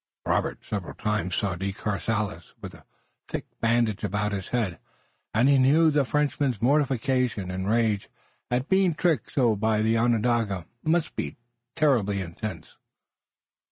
Robert several times saw De Courcelles with a thick bandage about his head, and he knew that the Frenchman's mortification and rage at being tricked so by the Onondaga must be intense.